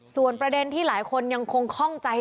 ส่วนประเด็นที่หลายคนยังคงคล่องใจ